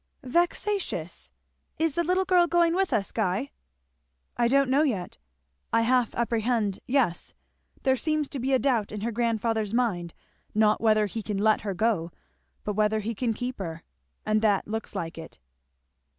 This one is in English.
"Vexatious! Is the little girl going with us, Guy?" "I don't know yet I half apprehend, yes; there seems to be a doubt in her grandfather's mind, not whether he can let her go, but whether he can keep her, and that looks like it."